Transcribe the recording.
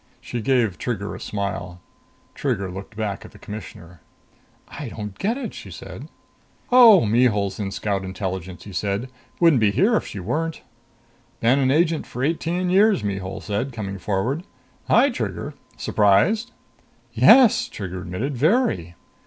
She gave Trigger a smile. Trigger looked back at the Commissioner. "I don't get it," she said. "Oh, Mihul's in Scout Intelligence," he said, "wouldn't be here if she weren't." "Been an agent for eighteen years," Mihul said, coming forward. "Hi, Trigger, surprised?" "Yes," Trigger admitted. "Very."